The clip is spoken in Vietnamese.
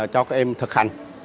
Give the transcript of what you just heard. cho các em thực hành